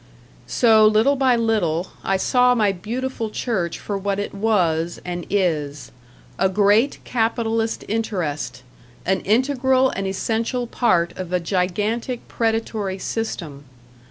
So little by little I saw my beautiful church for what it was and is: a great capitalist interest, an integral and essential part of a gigantic predatory system.